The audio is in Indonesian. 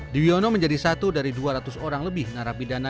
diwiono menjadi satu dari dua ratus orang lebih narapidana